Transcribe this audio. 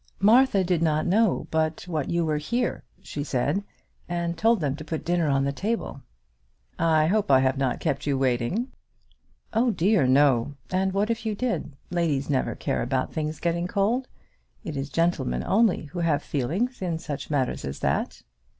"Martha did not know but what you were here," she said, "and told them to put dinner on the table." "I hope I have not kept you waiting." "Oh, dear, no. And what if you did? Ladies never care about things getting cold. It is gentlemen only who have feelings in such matters as that."